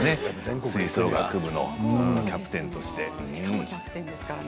吹奏楽部のキャプテンとして。